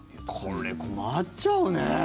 これ、困っちゃうね。